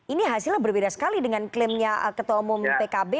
ini hasilnya berbeda sekali dengan klaimnya ketua umum pkb